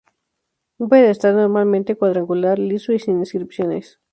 Un pedestal, normalmente cuadrangular, liso y sin inscripciones.